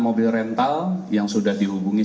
mobil rental yang sudah dihubungi